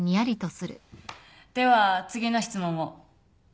では次の質問を。